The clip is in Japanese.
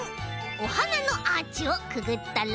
おはなのアーチをくぐったら。